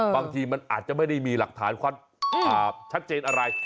บางทีมันอาจจะไม่ได้มีหลักฐานความชัดเจนอะไร